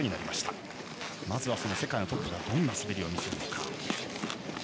まずは世界のトップがどんな滑りを見せるのか。